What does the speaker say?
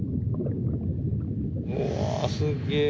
うわすげえ。